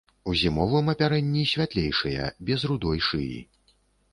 У зімовым апярэнні святлейшыя, без рудой шыі.